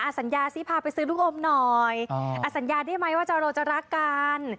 สัญญาซิพาไปซื้อลูกอมหน่อยสัญญาได้ไหมว่าเราจะรักกัน